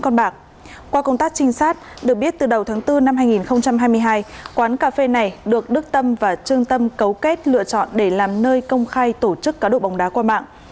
trong công tác trinh sát được biết từ đầu tháng bốn năm hai nghìn hai mươi hai quán cà phê này được đức tâm và trương tâm cấu kết lựa chọn để làm nơi công khai tổ chức cá độ bóng đá qua mạng